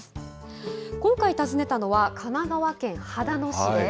今回訪ねたのは、神奈川県秦野市です。